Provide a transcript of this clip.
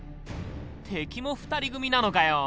敵も２人組なのかよ。